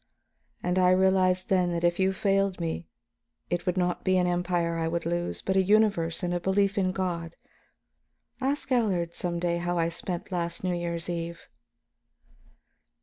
And I realized then that if you failed me, it would not be an Empire I would lose, but a universe and a belief in God. Ask Allard some day how I spent last New Year's Eve."